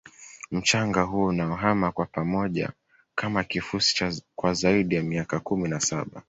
mchanga huo unaohama kwa pamoja Kama kifusi kwa zaidi ya miaka kumi na saba